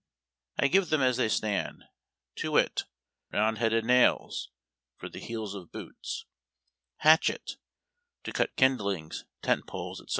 I give them as they stand, to wit :" Round headed nails " (for the heels of boots), "hatchet" (to cut kindlings, tent poles, etc.)